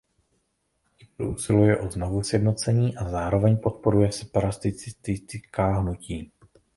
Kypr usiluje o znovusjednocení a zároveň podporuje separatistická hnutí.